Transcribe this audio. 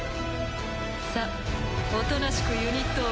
さっおとなしくユニットを渡して。